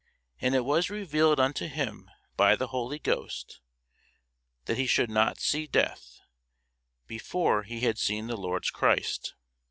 And it was revealed unto him by the Holy Ghost, that he should not see death, before he had seen the Lord's Christ.